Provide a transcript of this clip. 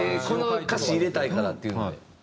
この歌詞入れたいからっていうので。